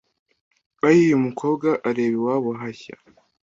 Ayiii !!!!-Umukobwa ureba iwabo hashya.